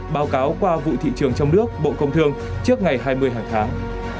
báo cáo qua vụ thị trường trong nước bộ công thương trước ngày hai mươi hàng tháng